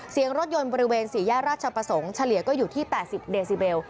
เสียงรถยนต์บริเวณ๔แยกราชประสงค์เฉลี่ยก็อยู่ที่๘๐เดซิเบล